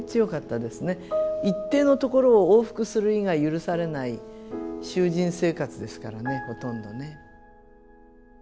一定のところを往復する以外許されない囚人生活ですからねほとんどね。